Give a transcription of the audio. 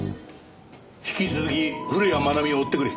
引き続き古谷愛美を追ってくれ。